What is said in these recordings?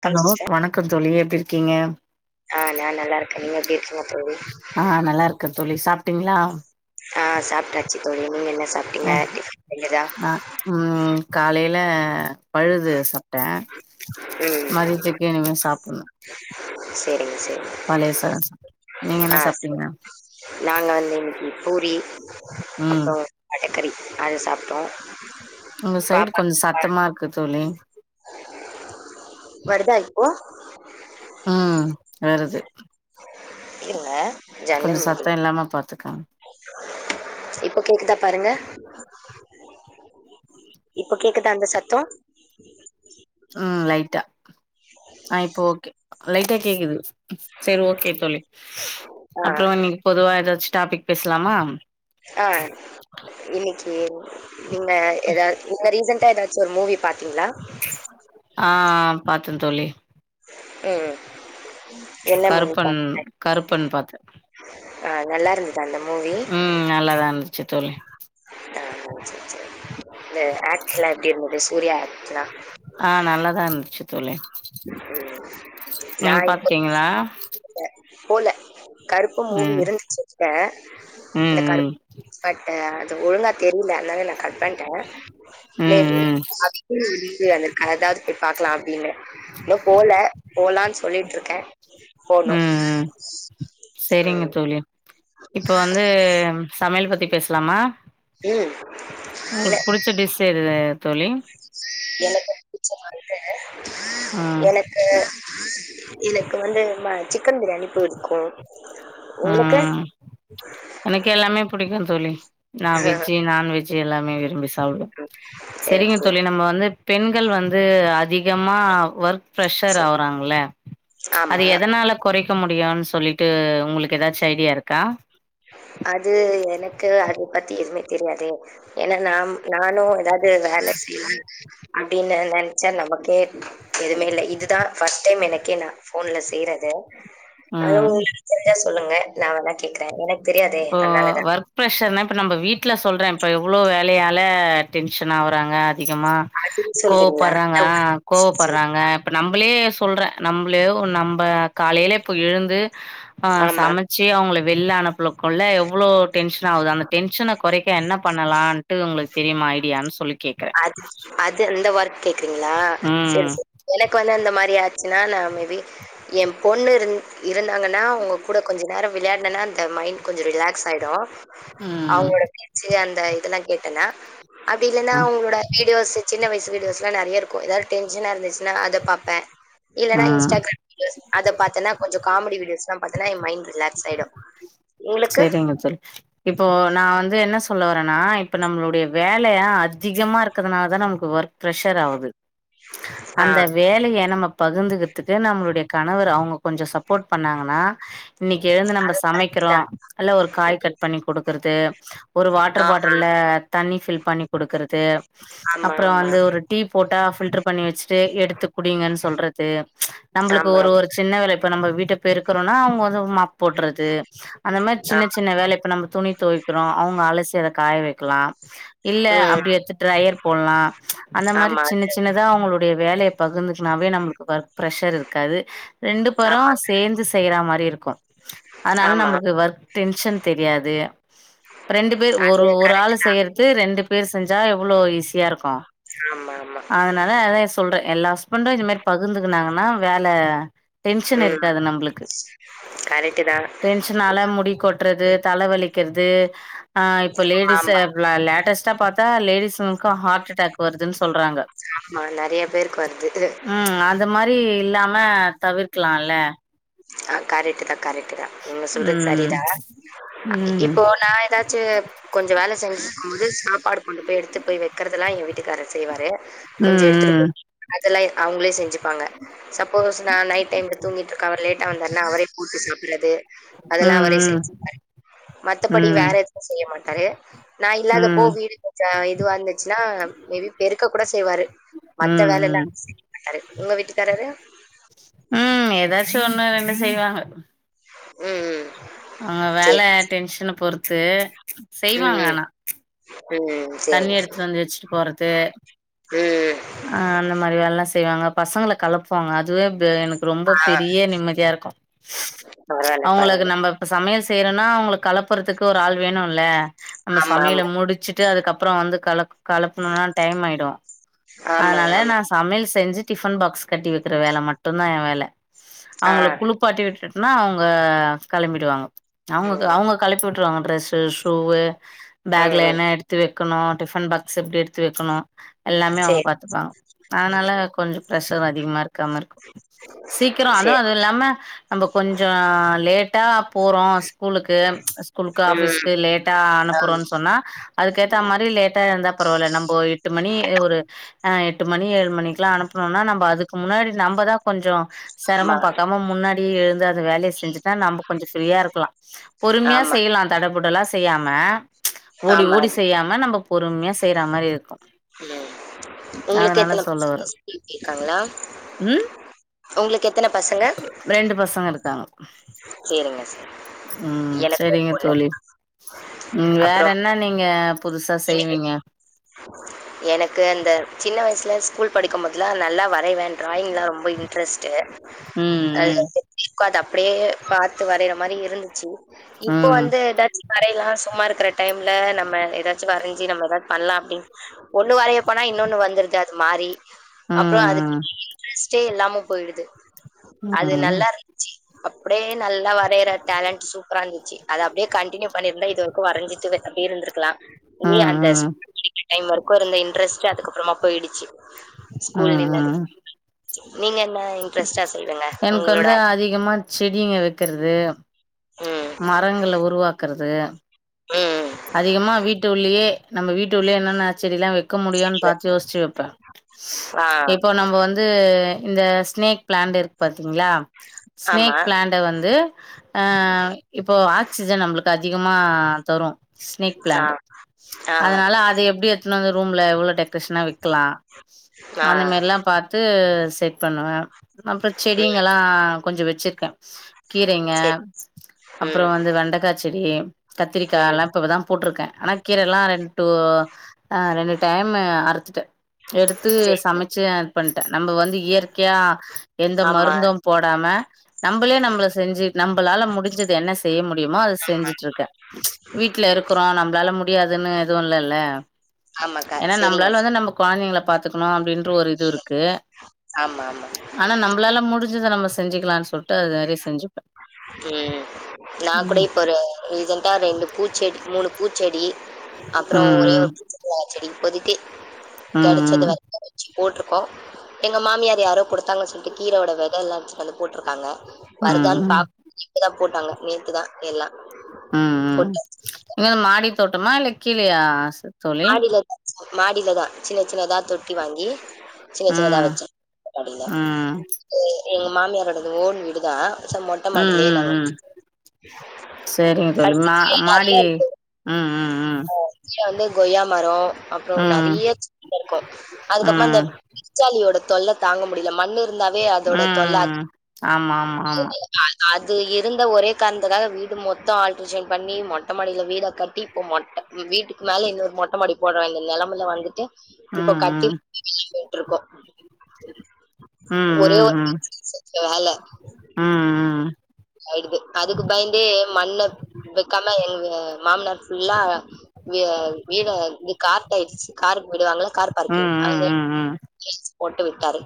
வணக்கம் hello sister வணக்கோ தோழி எப்டி இருக்கீங்க ஆ நான் நல்லா இருக்கேன் நீங்க எப்படி இருக்கீங்க தோழி ஆ நல்லா இருக்கே தோழி சாப் டிங்களா ஆ சாப்பிட்டாச்சு தோழி நீங்க என்ன சாப்பிட்டீங்க அ டிஃபன் செஞ்சதா ஆ உம் காலை இல்ல பழுது சாப்ட்டே ம் மதியத்துக்கு இனிமே சாப்பணு சேரிங்க சேரிங்க சாதோ சாப்ட்டே நீங்க என்ன ஆ சேரி சாப்ட்டீங்க நாங்க வந்து இன்னைக்கு பூரி ம் அப்றோ எக்கறி உங்க சைடு கொஞ்சோ பாப்பா சத்தமா இரு க்கு தோழி வருதா இப்போ உம் வருது இல்ல கொஞ்சோ சத்தோ இல்லாம பாத்துக் ஆ இப்போ கேக்குதா பாருங்க இப்போ கேக்குதா அந்த சத்தோ உம் லைட்டா ஆ இப்ப ஓகே லைட்டா கேக்குது சேரி ஓகே தோழி ஆ அப்றோ இன்னைக்கு பொதுவா ஏதாச்சு டாப்பிக் பேசலாமா ஆ இன்னிக் [unintelligible] நீங்க எதாது நீங்க ரீசன்டா ஏதாச்சு ஒரு மூவி பாத்தீங்களா ஆ பாத்தே தோழி உம் கருப்பன் கருப்பன் பாத்தே ஆ நல்லா இருந் அந்த மூவி துச்சு தோழி ஆஹ் சேரி சேரி இந்த ஆக்ட் எல்லா எப்புடி இருந்தது சூர்யா ஆக்ட்லா ஆ நல்லாதா இருந்துச்சு தோழி நீங்க நான் இப்ப பாத்துட்டீங்களா போகல கருப்பு மூவி ம் இருந்துச்சு என்ட்ட அ ம் கருப்பு ம் பட் ஒழுங்கா கேக் ல நான் கட் பண்ணிட்டேன் ம் மேபி ம் ம் வ விருக்கா ஏதாவது போய் பாக்கலா அப்படின்னு இன்னு போல போலான்னு சொல்லிட்டு இருக்கேன் ம் ம் சரிங்க ம் தோழி இப்ப வந்து சமையல் பத்தி பேசலாமா ம் இல்ல உங்களுக்கு புடிச்ச டிஷ் எது தோழி எனக்கு புடிச்சது வந்து ம் எனக்கு எனக்கு வந்து சிக்கன் பிரியாணி புடிக்கும் ம் எனக்கு எல்லாமே பிடிக்கும் தோழி நான் வெஜ் நான்வெஜ எல்லாம விரும்பி அவ்வ சேரி சரிங்க சேரி தோழி நம்ம வந்து பெண்கள் வந்து அதிக அதிகம்மா ஒர்க் ப்ரஷர் சொ ஆகுறாங்கள அத ஆமா எதனால குறைக்க இரு முடியான்னு சொல்லிட்டு உங்களுக்கு ஏதாச்சும் ஐடியா இருக்கா அது எனக்கு அத பத்தி எதுவுமே தெரியாதே ஏன்னா நாம் நானும் ஏதாவது வேலை செய்யலன் அப்படின்னு நினைச்சா நமக்கே எதுவுமே இல்லை இதுதான் ஃபர்ஸ்ட் டைம் எனக்கே நான் போன்ல செய்றது அது ம் உங்க [unintelligible] சொல்லுங்க நான் வேன்னா கேக்குறேன் எனக்கு தெரியாதே இப்போ அதனால தான். ஒர்க் ப்ரஷர்ன இப்போ நம்ம வீட்டில் சொல்றேன் இப்போ எவ்ளோ வேலையால டென்ஷன் ஆகறாங்க அதிகமா அதுன்னு சொல்றீங்களா? கோவப்படுறாங்க அந்த சொல்- கோவப்படுறாங்க இப்ப நம்மளே சொல்றேன் நம்மளே நம்ம காலையில இப்போ எழுந்து ஆ ஆமா. சமைச்சு அவங்க வெள்ளானனுப் ள்ள கொல்ல எவ்லோ டென்ஷன் ஆகுது அந்த டென்ஷன் குறைக்க என்ன பண்ணலான்ட்டு உங்களுக்கு தெரியுமா ஐடியான்னு சொல்லி கேக்குறே அது அது அந்த ஒர்க் கேக் கிங்கல சேரி ம் சேரி எனக்கு வந்து அந்த மாரி சுன்னா நா மேபி எ பொண்ணு இருந் இருந்தாங்கன்னா அவங்க கூட கொஞ்சோ நேரம் விளையாடுனனா அந்த மைண்ட் கொஞ்சோ ரிலாக்ஸ் ஆயிடும் ம் அவங்களோட பேச்சு அந் ந்த இதெல்லாம் கேட்டன அது நா ம் உங்களோட வீடியோஸ் சின்ன வயச சு வீடியோஸ்லா நறைய இருக்கும் ஏதாது டென்ஷனா இருந்துச்சுன்னா அத பாப்ப இல்லன்னா ம் இன்ஸ்டாகிராம் வீடியோஸ் அத பாத்தன்னா கொஞ்சோ காமெடி வீடியோஸ்லாம் பாத்தான எ மைண்ட் ரிலாக்ஸ் ஆயிடும். உங்களுக்கு? செரிங்க தோழி இப்போ நா வந்து என்ன சொ சொல்ல வரனா இப்ப நம்மளுடைய வேலையா அதிகமா இருக்கிறதுனால தா நமக்கு ஒர்க் பிரஷர் ஆவுது ஆ அந்த வேலைய நம்ம பகுந்துகுறதுக்கு நம்மளுடைய கணவர் அவங்க கொஞ்சோ சப்போட் பண்ணாங்கன்னா எழுந்து நம்ம சமைக்கிறோ அதுதான். அல்ல ஒரு காய் கட் ம். பண்ணி கொடுக்கறது ஒரு வாட்டர் பாட்டில தண்ணி பில் பண்ணி குடுக்கறது ஆமா, அப்றோ ஆமா, வந்து ஒரு டீ போட்டா பில்டர் பண்ணி வச்சுட்டு எடுத்து குடிங்கன்னு சொல்றது ஆமா, நம்மளுக்கு ஆமா, ஒரு ஒரு சின்ன வேல இப்ப நம்ம வீட் ட்ட பேருக்குறோனா அவங்க வந்து மாப் போட்டுறது அந்த மாரி சின்ன ஆமா. சின்ன வேல இப்ப நம்ம துணி துவைக்கிறோம் அவங்க அலசி காய வெக்கலாம் இல்ல ம். அப்டி எடுத்து டிரயர் போடலாம் அந்த மாரி ஆமா. சின்ன அது சின்னதா அவங்களுடைய வேலையை பகிர்ந்துக்குனாவே நம்மளுக்கு ஒர்க் ப்ரெஷர் இருக்காது ரெண்டு பேரும் ஆமா, சேந்து செய்யற மாரி இருக்கும் அதனால ஆமா. நம்மளுக்கு ஒர்க் டென்ஷன் தெரியாது ரெண்டு பேரு அது ஒரு ஒரு கரெக்ட். ஆள் செய்யறது ரெ ரெண்டு பேர் செஞ்சா எவ்ளோ ஈஸி யா இருக்கும் ஆமா, ஆமா. அதனால அதா சொல்ற எல்லா ஹஸ்பண்டும் இத மாரி பகுந்துக்குனாங்கன்னா வேல டென்ஷன் ம். இருக்காது நம்பளுக்கு கரெக்ட்டு தான். டென்ஷனால முடி கொட்டுறது தலைவலி கேக்குறது ஆ இப்ப லேடிஸ ஆமா, பிளா லேட்டஸ்ட்டா பா தா லேடிஸ் ங்கா ஹார்ட் அட்டாக் வருதுன்னு சொல்றாங்க ஆமா. நெறைய பேருக்கு வருது. ம் அந்த மாரி இல்லாம நம்ம தவிர்க்லால ஆ கரெட்டு தான் கரெட்டு டு தா நீங்க சொல்றது ம் சரிதா ம் இப்போ நான் ஏதாச்சு கொஞ்ச வேல செஞ்சிட்டு இருக்கும் போது சாப்பாடு கொன்டு போ பேய் எடுத்து பேய் வைக்கிறது எல்லா எங்க வீட்டுக்காரர் செய்வாரு ம் ம் இதெல்லா அவுங்களே செஞ்சுப்பாங்க சப்போஸ் நா நைட் டைம்ல தூங்கிட்டு இருக்க அவர் லேட் டா வந்தாருன்னா அவரே போட்டு சாப்புறது அதெல்லா அவரே ம் செஞ்சுப்பாரு ம் மத்தபடி வேற ம் எதுவும் செய்ய மாட் நறைய நா இல்லாதப்போ ம் வீடு கொஞ்ச இதுவா இருந்துச்சுன்னா மே பி பெருக்க கூட செ செய்வாரு மத்த ம் வேலல்லா ம் செய்யமாட்டாரு உங்க வீட்டுக்காரரு ம் ஏதாச்சு ஒண்ணு ரெண்டு செய்வாங்க ம் ம் அவங்க வேல சரி. டென்ஷன பொறுத் து ம், செய்வாங்க ம். ஆனா ம் தண்ணி சரிங்க எடுத்துட்டு வந்து வச்சுட்டு போறது ம் ஆ அந்த மாரி வேலல்லாம் செய் செய்வாங்க பசங்கள கெளப்புவாங்க அதுவே து எனக்கு ரொம்ப ஆ பெரிய நிம்மதியா இருக்கூ பரவால்ல அவங்களுக்கு பரவால்ல. நம்ப சமையல் செய்றனா அவுங்கள கெளப்புறதுக்கு ஒரு ஆள் வேணுல்ல நம்ப ஆமா சமையல ஆமா. முடிச்சுட் டு அதுக்கப்பறம் வந்து கலப் கலப்பணுனா டைம் ஆயிடும் ஆமாங்க அதனால ஆமா. நான் சம யல் செஞ்சு டிஃபன் பாக்ஸ் கட்டி வைக்குற வேல மட்டுதான் எ வேல ஆ அவுங்கள குளுப்பாட்டி விட்டு னா அவுங்க கெளம்பிடுவாங்க அவுங்க ம். அவுங்க கழப்பி விட்டுருவாங்க டிரஸு ஷூவு பேகலா ம். என்ன எடுத்து வெப் இருக்கணு டிஃபன் பக் சிப்ட் எடுத்து வெக்கணு எல்லாமே அவங்க சரி பாத்துப்பாங்க அதனால கொஞ்ச ப்ரஷரு அதிகமா இருக்கற மாருக்கு சீக்கிர அதுவு சரி. அது இல்லாம நம்ம கொஞ்ச லேட்டா போறோ ஸ்கூலுக்கு ஸ்கூலுக்கு ம். ஆஃபீஸ்க்கு லேட்டா ஆமா. அனுப்புறோ சொன்னா அதுக்கேத்தா மாரி லேட் இருந்தா பரவல்ல நம்போ எடுத் ஒரு எட்டு மணி ஏழு மணிக்கெல்லா அனுப்பனும்னா நம்ம அதுக்கு முன்னாடி நம்மதா கொஞ்ச செரமம் பாக்காம முன்னாடியே எழுந்த து வேலய செஞ்சுட் நம்ம கொஞ்ச ஃப்ரீயா இருக்கலா ஆமா. பொறுமையா ஆமா. செய்யலா தடப் புடல்லா செய்யாம ஓடி ஆமா. ஓடி செய்யாம நம்ம பொறுமைய்யா செய்றா மாரி இருக்கு ம். உங்களுக்கு அதனால எத்தன சொல்ல வர்ற பசங்க இருக்காங்களா? ம் உங்களுக்கு எத்தன பசங்க? ரெண்டு பசங்க இருக்காங்க சரிங்க சரி. ம் எனக்கு ஒரு செரிங்க பொண்ணு. தோழி ம் வேற என்ன நீங்க புதுசா இன்னக்கி செய்வீங்க? எனக்கு அந்த சின்ன வயசு ல ஸ்கூல் படிக்கும்போதெல்லா நல்லா வரைவே டிராயி்ங்லா ரொம்ப இன்ட்ரஸ்ட் டு ம் அ ம் [unintelligible] அப்டியே பாத்து வரையறா மாரி இருந்துச்சி இப்போ ம் வந்து டச் வரையலா சும்மா இருக்ற டைம்ல நம்ம ஏதாச் சி வரைஞ்சி நம்ம ஏதாவது பண்ணலா அப்டின் ஒண்ணு வரையப் போனா இன்னொன்னு வந்துருது அது மாரி அப்றொ அதுக் ம் இன்ட்ரஸ்ட் டே இல்லாம போய்டுது ம் ம் அது ம் நல்லா இருந்ச்சி அப்டியே நல்லா வரையற டேலண்ட் சூப்பரா இருந்த்ச்ச அது அப்டியே கண்டினியூ பண்ணிருந்தா இதுவரைக்கு வரைஞ்சிட் அப்டி இருந்திருக்கலா ம் அந்த ம் ஸ்கூல் படிக்க டைம் வரைக்கு இருந்த இன்ட்ரெஸ்ட்டு அதுக்கப்றொமா போய்டுச்சி ம் ம் ம் நீங்க என்ன இன்ட்ரெஸ்ட்டா சொல்லுங்க எனக்கு உங்களோட வந்து அதிகமா செடிங்க வக்கிறது ம் மரங்கள உருவாக்றது ம். அதிகமா வீட்டுள்ளயே நம்ம வீட்டுள்ளயே என்னன செடில்லா ‌வெக் வக்க முடியுன்னு பாத்து யோசிச்சு வப்பே ஆ. இப்போ நம்ப வந்து இந்த ஸ்னேக் ப்ளாண்ட் இருக்கு பாத்தீங்ளா ஆமா. ஸ்னேக் ப்ளாண்ட வந்து அ இப்போ ஆக்சிஜன் நம்மளுக்கு அதி அதிகமா தரு ஸ்னேக் ஆ. பிளான்ட்டு ஆ. அதுனால அத எப்டி என்னது ரூம்ல இவ்ளோ டெக் கிருஷ்ணா வெக்லா ஆ. அந்த மாரில்லா பாத்து செட் பண்ணுவே. அப்றொ ம். செடிங்கெல்லா கொஞ்சொ வச் செக்கா கீரைங்க சரி. அப்பறோ ம். வந்து வெண்டைக்கா செடி கத் [unintelligible] ம். இப்பதா போ போட்ருக்கே ஆனா ப் கீரைல்லா ரெண்டு டூ ஆ ரெண்டு டைமு அறுத்துட்டே எடுத்து சரிங்க. சமைச்சு பண்ட்டே நம்ம வந்து இயற் கையா எந்த ஆமா. மருந்தும் போடாம நம்பளே நம்பள செஞ்சு நம்பளால முடிஞ்சது என்ன செய்ய முடியுமோ அத செஞ்சுட்ருக்கே வீட்டு்ல இருக்குறோ நம்பளால முடியாதுன்னு எதுவு இல்லேல்ல ஆமாக்கா. ஏன்னா சரிங்க. நம்மளால வந்து நம்ம கொழந்தைங்கள பாத்துக்கணு அப்டின் ட்ரு ஒரு இது இருக்கு ஆமா, ஆமா. ஆனா நம்மளால முடிஞ்சத நம்ம செஞ்சுக்கலானு சொல்ட்டு அது ரிஸ் ம் ம் நா கூட ம் இப்ப ஒரு ரீசண்டா ரெண்டு பூச்செடி மூணு பூச்செடி அப்பறோ ஒரே ஒரு [inaudible] செடி ஒதுக்கி ம் ம் போட்ருக்கோ எங்க மாமியார் யாரோ கொடுத்தாங்கன்னு சொல்ட்டு கீரையோட வெதையெல்லா அதுல போட்ருக்காங்க ம் ம் பாக் [inaudible] போட்டாங்க நேத்துதா எல்லா ம் ம் இங்கென மாடி தோட்டமா இல்லை கீழயா தோழி மாடில [unintelligible] மாடிலதா சின்ன சின்னதா தொட்டி வாங்கி சின்ன சின்னதா ம் வச்சே மாடில ம் [unintelligible] எங்க மாமியாரோடது ஓன் வீடு தா ம் ம் ம் சரிங்க தோழி ஃபர்ஸ்ட் மா கீழ மாடி நெறைய இருக்கு ம் ம் ம் ஆ கீழ வந்து கொய்யா மரோ அப்றோ ம் நெறைய [inaudible] இருக்கு அதுக்கப்பமா அந்த ம் பெருச்சாலியோட தொல்ல தாங்க முடில மண்ணு இருந்தாவே அதோட தொல்ல ம் ஆமா ஆமா ஆமா அ [inaudible] அது இருந்த ஒரே காரணத்துக்காக வீடு மொத்தோ ஆல்ட்ரேஷன் பண்ணி மொட்ட மாடில வீட கட்டி இப்ப மொட்ட வீட்டுக்கு மேல இன்னொரு மொட்ட மாடி போட வேண்டிய நெலமேல வந்துட்டு இப்ப ம் கட்டி [unintelligible] ருக்கோ ம் ம் ஒரே ஒரு பிக் ஸ்பேஸு வச்சு வேல ம் ம் ஆயிடுது அதுக்கு பயந்தே மண்ண வக்காம எங்க மாமனார் ஃபுல்லா வீ வீட இது கார் டேக்ஸி காருக்கு விடுவாங்கள கார் ம் ம் பார்க்கிங் அங்கயே ம் ம் [unintelligible] போட்டு விட்டாரு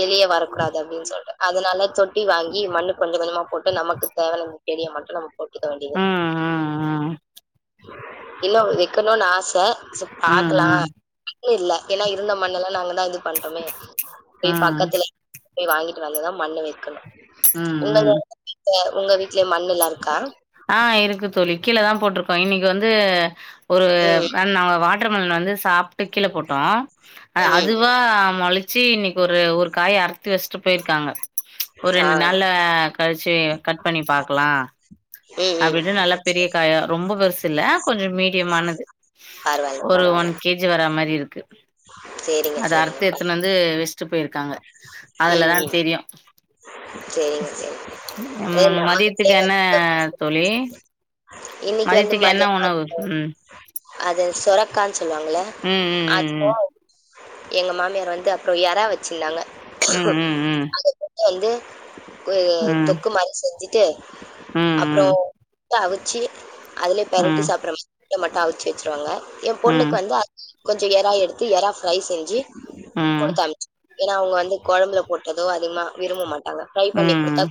வெளிய வரக்கூடாது அப்டின் சொல்ட்டு அதுனால தொட்டி வாங்கி மண்ணு கொஞ்ச கொஞ்சமா போட்டு டு நமக்கு தேவ [unintelligible] தெரிய மட்டு நம்ம போட் [unintelligible] ம் வேண்டியது ம் ம் இன்னு வெக்கணுனு ஆச ஆச ம் ம் பாக்கலா மண்ணு இல்ல ஏன்னா இருந்த மண்ணல்லா நாங்க [unintelligible] பண்டமே ம் போய் ம் பக்கத்துல போய் வாங்கிட்டு வந்து தா மண்ணு வக்கணு ம் ஒங்க ம் வீட்ல ஒங்க வீட்லயு மண்ணெல்லா இருக்கா போட்ருக்கோ இன்னக்கி வந்து ஒரு ம் வேன் நாங்க வா வாட்டர் மெலன் வந்து சாப் ட்டு கீழ போட்டோ ம் அதுவா மொளச் சு இன்னக்கி ஒரு ஒரு காய் அறு த்து வச்சட்டு போய்ருக்காங்க ஒரு ஆ ரெண்டு நாள் கழிச்சு கட் பண்ணி பாக்கலா ம் ம் அப்டின்னு நல்லா பெரிய காயா ரொம்ப பெருசுல்ல கொஞ்ச மீடியமானது பரவால்ல ஒரு பரவால்ல ஒன் கேஜி வரா அந்த மாரி இருக்கு சேரிங்க அது சேரிங்க அறுத்து எடுத்துனு வந்து வச்ட்டு போய்ருக்கு இருக்காங்க ம் அதுலதா ம் தெரியு சேரிங்க சேரிங்க ம அது நமக்கு மதியத்துக்கு என்ன [unintelligible] தோழி மதியத்துக்கு என்ன உணவு மதியானோ ம் சொல்லுவாங்கள ம் அ [unintelligible] எங்க மாமியார் வந்து அப்புற எறா வச்சிருந்தாங்க ம் ம் ம் ம் [unintelligible] வந்து அ ஒரு ம் ம் ம் தொக்கு மாதிரி செஞ்சுட்டு அப்புறோ ம் முட்ட அவிச்சு அதிலே பெரட்டி ம் சாப்புற மாரி முட்ட மட்டு அவிச்சு வச்சுருவாங்க ஏ பொண்ணுக்கு ம் வந்து கொஞ்ச எரா எடுத்து எறா ஃப்ரை செஞ்சி ம் கொடுத்தாம்ஞ்ச் ஏன்னா அவங்க வந்து கொழம்புல போட்டதோ அதிகமா விரும்பமாட் ஃப்ரை பண்ணி கொடுத்தா ம்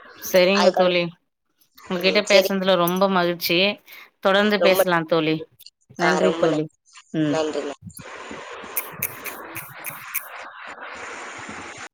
[inaudible] செரிங்க தோழி அதுக்கடுத் உங்ககிட்ட பேசுறதுல ரொம் ம்ப மகிழ்ச்சி தொடர்ந்து ரொம்ப பேசலா தோழி ஆ நன்றி ரொம்ப தோழி நன் ம் நன்றிங்க [inaudible]